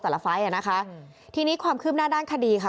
แต่ละไฟต์นะคะทีนี้ความคืมหน้าด้านคดีค่ะ